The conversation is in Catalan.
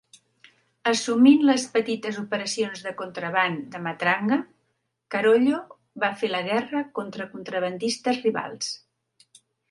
Assumint les petites operacions de contraban de Matranga, Carollo va fer la guerra contra contrabandistes rivals.